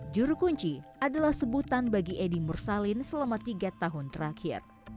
juru kunci adalah sebutan bagi edi mursalin selama tiga tahun terakhir